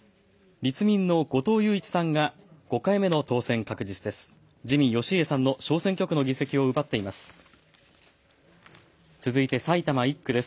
立民の後藤祐一さんが５回目の当選確実です。